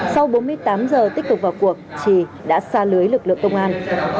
sau bốn mươi tám giờ tích cực vào cuộc trì đã xa lưới lực lượng công an